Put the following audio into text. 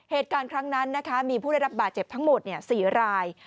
เหตุการณ์ครั้งนั้นนะคะมีผู้ได้รับบาดเจ็บทั้งหมด๔ราย